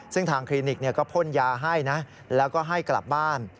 ซึ่งทางคลินิกก็พ่นยาให้นะแล้วก็ให้กลับบ้าน